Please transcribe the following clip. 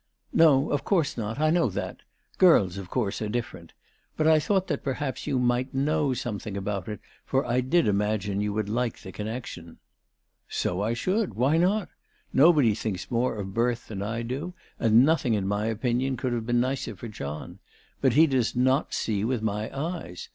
" No ; of course not. I know that. Girls, of course, are different. But I thought that perhaps you might know something about it, for I did imagine you would like the connection/ 7 " So I should. Why not ? Nobody thinks more of birth than I do, and nothing in my opinion could have been nicer for John. But he does not see with my eyes.